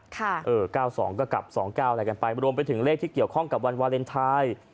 เออ๙๒ก็กลับ๒๙อะไรกันไปรวมไปถึงเลขที่เกี่ยวข้องกับวันวาเลนไทย